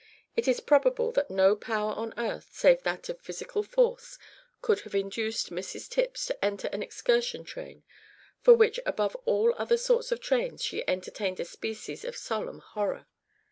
It is probable that no power on earth, save that of physical force, could have induced Mrs Tipps to enter an excursion train, for which above all other sorts of trains she entertained a species of solemn horror.